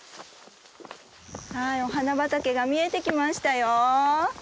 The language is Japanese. はいお花畑が見えてきましたよ。